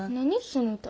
その歌。